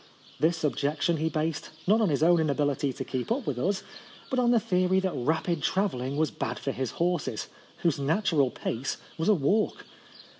This objection he based not on his own inability to keep up with us, but on the theory that rapid travelling was bad for his horses, whose natural pace was a walk